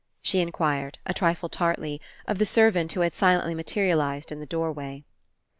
she inquired, a trifle tartly, of the servant who had silently materialized in the doorway.